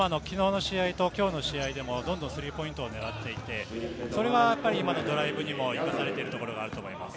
昨日の試合と今日の試合でもどんどんスリーポイントをねらっていって、それは今のドライブにも生かされているところがあると思います。